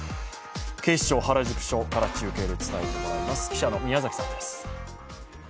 警視庁原宿署から中継で伝えてもらいます。